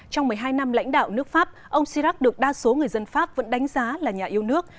trong một mươi hai năm lãnh đạo nước pháp ông chirac được đa số người dân pháp vẫn đánh giá là nhà yêu nước